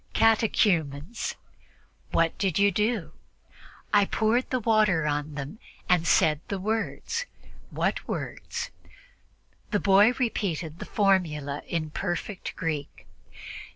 "Catechumens." "What did you do?" "I poured the water on them and said the words." "What words?" The boy repeated the formula in perfect Greek.